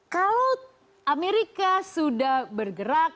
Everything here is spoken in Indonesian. kalau amerika sudah bergerak